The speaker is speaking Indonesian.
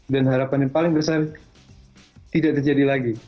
dan harapan yang paling besar tidak terjadi lagi